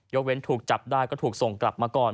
เว้นถูกจับได้ก็ถูกส่งกลับมาก่อน